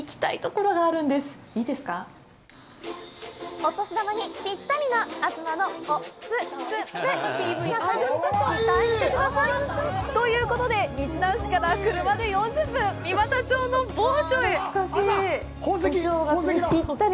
お年玉にぴったりな東のお勧め皆さん、期待してください！ということで、日南市から車で４０分三股町の某所へ！